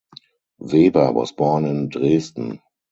Weber was born in Dresden.